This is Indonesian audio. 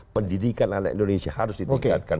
pendidikan anak indonesia harus ditingkatkan